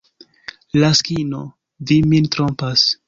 Laskino, vi min trompas.